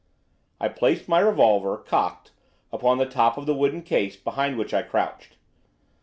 I placed my revolver, cocked, upon the top of the wooden case behind which I crouched.